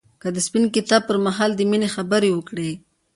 هغه د سپین کتاب پر مهال د مینې خبرې وکړې.